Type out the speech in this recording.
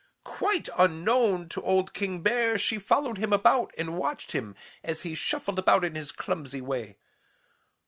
"Quite unknown to old King Bear, she followed him about and watched him as he shuffled about in his clumsy way.